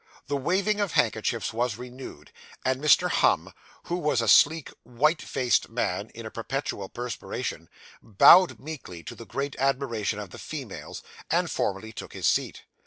The waving of handkerchiefs was renewed; and Mr. Humm, who was a sleek, white faced man, in a perpetual perspiration, bowed meekly, to the great admiration of the females, and formally took his seat.